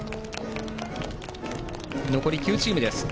残り９チームです。